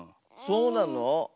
そうなの？